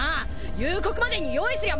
夕刻までに用意すりゃ